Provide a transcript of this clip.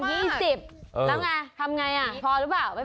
ตังค์๒๐แล้วไงทำยังไงอ่ะพอรึเปล่าไม่พอ